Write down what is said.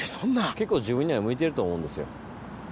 けっこう自分には向いてると思うんですよ。